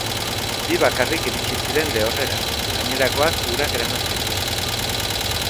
Bi bakarrik iritsi ziren lehorrera, gainerakoak urak eraman zituen.